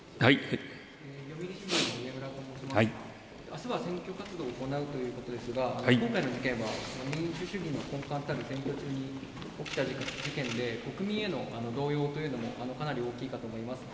あすは、選挙活動を行うということですが、今回の事件は民主主義の根幹たる選挙戦で起きた事件で、国民への動揺というのもかなり大きいかと思います。